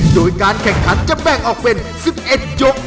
โดยการแข่งขันจะแบ่งออกเป็น๑๑ยก